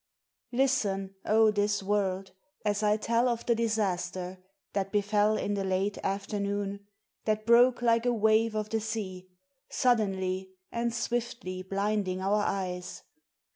Listen oh! this world as I tell of the disaster, That befell in the late afternoon, That broke like a wave of the sea, Suddenly and swiftly blinding our eyes.